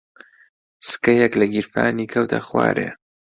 سکەیەک لە گیرفانی کەوتە خوارێ.